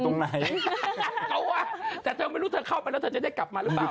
ตรงไหนเอาว่ะแต่เธอไม่รู้เธอเข้าไปแล้วเธอจะได้กลับมาหรือเปล่า